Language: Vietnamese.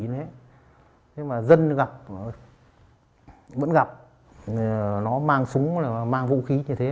nhưng mà dân gặp vẫn gặp nó mang súng mang vũ khí như thế